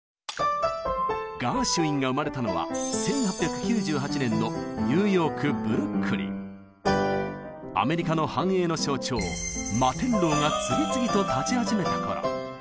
ガーシュウィンが生まれたのは１８９８年のアメリカの繁栄の象徴摩天楼が次々と建ち始めた頃。